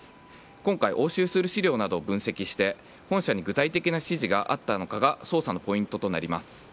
今回、押収する資料などを分析して本社に具体的な指示があったのかが捜査のポイントとなります。